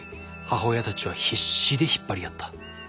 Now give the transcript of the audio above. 母親たちは必死で引っ張り合った。